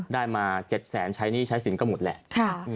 ได้มา๗๐๐๐๐๐ใช้นี่ใช้สินก็หมดแหละ